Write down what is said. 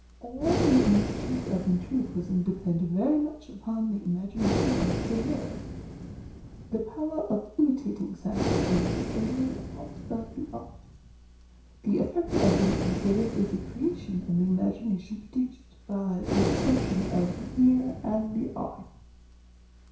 All the illusions of Ventrilo quism depend very much upon the imagination of the hearer. The power of imitating sounds is only a part of the Art. The effect of Ventriloquism is a creation of the imagination produced by a deception of the ear anMhe eye.